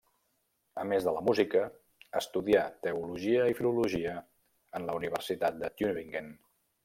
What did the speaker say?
A més de la música, estudià, teologia i filologia en la Universitat de Tübingen.